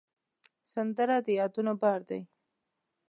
سندره د یادونو بار دی